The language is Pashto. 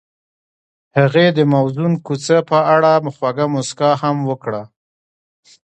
هغې د موزون کوڅه په اړه خوږه موسکا هم وکړه.